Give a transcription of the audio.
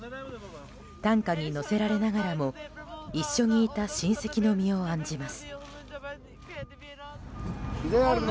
担架に乗せられながらも一緒にいた親戚の身を案じます。